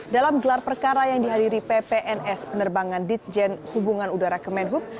dalam gelar perkara yang dihadiri ppns penerbangan ditjen hubungan udara kemenhub